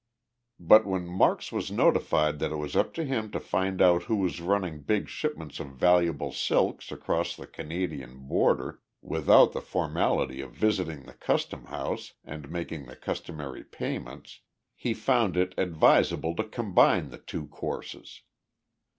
But when Marks was notified that it was up to him to find out who was running big shipments of valuable silks across the Canadian border, without the formality of visiting the customhouse and making the customary payments, he found it advisable to combine the two courses.